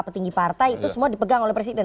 petinggi partai itu semua dipegang oleh presiden